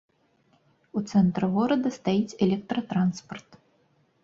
У цэнтры горада стаіць электратранспарт.